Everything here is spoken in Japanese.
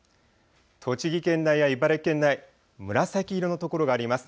栃木県内や茨城県内、紫色の所があります。